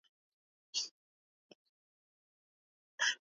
Semeki yako ana waleteya bintu bia ku mashamba